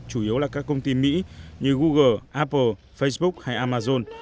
chủ yếu là các công ty mỹ như google apple facebook hay amazon